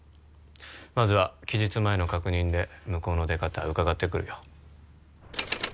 まずは期日前の確認で向こうの出方うかがってくるよ